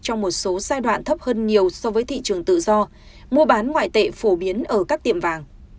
trong một số giai đoạn thấp hơn nhiều so với thị trường tự do mua bán ngoại tệ phổ biến ở các tiệm vàng